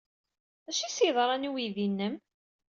D acu ay as-yeḍran i uydi-nnem?